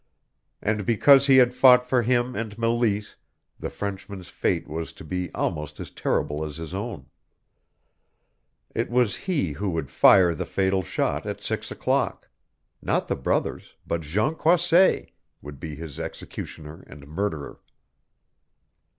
And because he had fought for him and Meleese the Frenchman's fate was to be almost as terrible as his own. It was he who would fire the fatal shot at six o'clock. Not the brothers, but Jean Croisset, would be his executioner and murderer.